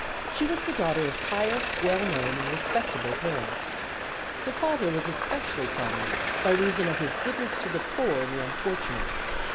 She was the daughter of pious, well known and respectable parents. Her father was especially prominent by reason of his goodness to the poor and the unfortunate.